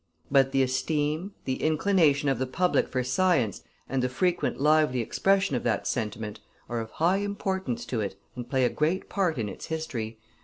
But the esteem, the inclination of the public for science, and the frequent lively expression of that sentiment, are of high importance to it, and play a great part in its history.